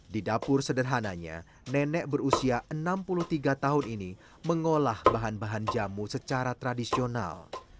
di dapur sederhananya nenek berusia enam puluh tiga tahun ini mengolah bahan bahan jamu secara tradisional